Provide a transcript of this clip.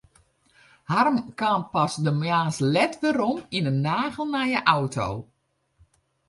Harm kaam pas de moarns let wer werom yn in nagelnije auto.